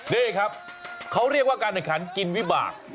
นี่ครับเขาเรียกว่าการแข่งขันกินวิบาก